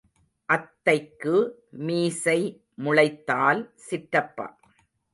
அத்தைக்கு மீசை முளைத்தால் சிற்றப்பா.